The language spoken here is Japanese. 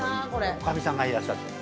女将さんがいらっしゃってる。